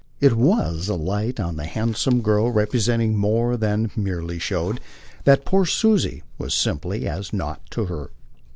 It was a light on the handsome girl representing more than merely showed that poor Susie was simply as nought to her.